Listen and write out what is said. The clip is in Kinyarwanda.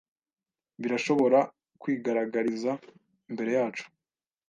Birashobora kwigaragariza imbere yacu